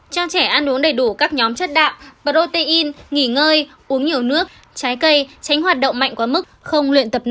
cho trẻ ăn uống đầy đủ các nhóm chất đạm protein nghỉ ngơi uống nhiều nước trái cây tránh hoạt động mạnh quá mức không luyện tập nặng